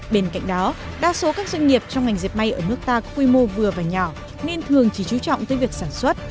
bên cạnh đó đa số các doanh nghiệp trong ngành dẹp may ở nước ta quy mô vừa và nhỏ nên thường chỉ chú trọng tới việc sản xuất